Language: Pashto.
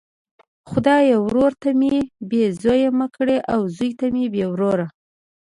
خدایه ورور ته مي بې زویه مه کړې او زوی ته بې وروره!